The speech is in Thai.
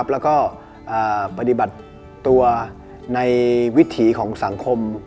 แล้วก็ปฏิบัติตัวในวิถีของสังคม